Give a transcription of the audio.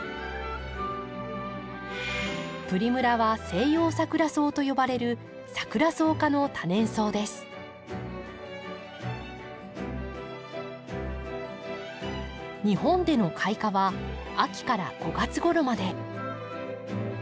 プリムラはセイヨウサクラソウと呼ばれる日本での開花は秋から５月ごろまで。